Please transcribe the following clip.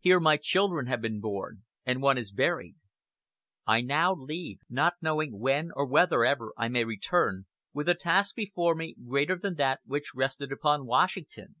Here my children have been born, and one is buried. I now leave, not knowing when or whether ever I may return, with a task before me greater than that which rested upon Washington.